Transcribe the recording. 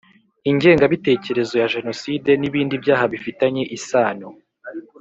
Ingengabitekerezo ya jenoside n ibindi byaha bifitanye isano